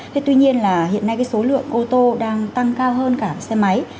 thế tuy nhiên là hiện nay cái số lượng ô tô đang tăng cao hơn cả xe máy